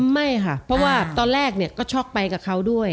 ไม่ค่ะเพราะว่าตอนแรกเนี่ยก็ช็อกไปกับเขาด้วย